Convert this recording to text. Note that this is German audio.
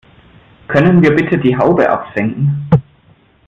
Können wir bitte die Haube absenken?